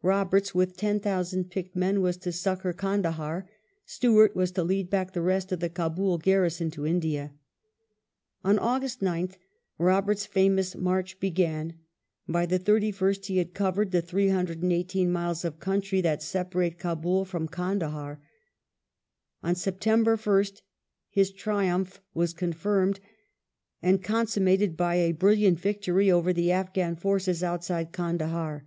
Roberts with 10,000 picked men was to succour Kandahdr, Stewai't was to lead back the rest of the Kabul garrison to India. On August 9th Roberts's famous maich began ; by the 31st he had covered the 818 miles of country that separate Kabul from Kandahar. On September 1st his i triumph was confirmed and ^ consummated by a brilliant victory over the Afghan forces outside .~Z^ Kandahar.